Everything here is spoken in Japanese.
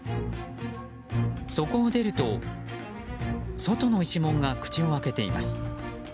そこを出ると外之石門が口を開けています。